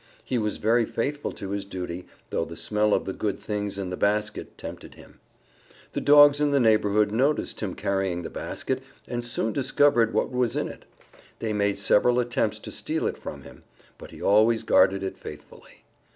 He was very faithful to his duty, though the smell of the good things in the basket tempted him. The Dogs in the neighborhood noticed him carrying the basket and soon discovered what was in it. They made several attempts to steal it from him. But he always guarded it faithfully.